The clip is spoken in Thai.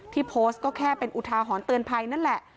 ที่โพสต์ก็แค่เป็นอุทาหรณ์เตือนภัยนั่นแหละ